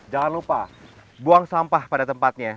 jangan lupa buang sampah pada tempatnya